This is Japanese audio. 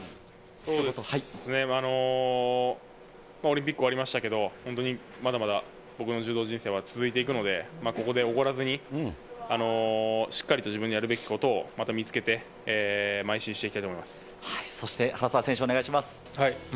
そうですね、オリンピック終わりましたけど、本当にまだまだ僕の柔道人生は続いていくので、ここでおごらずに、しっかりと自分のやるべきことをまた見つけて、まい進していきたそして原沢選手、お願いしま